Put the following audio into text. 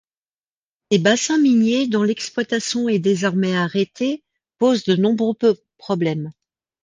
Ces bassins miniers, dont l'exploitation est désormais arrêtée, posent de nombreux problèmes.